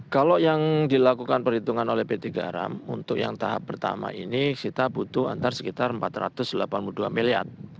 kalau yang dilakukan perhitungan oleh pt garam untuk yang tahap pertama ini kita butuh antar sekitar empat ratus delapan puluh dua miliar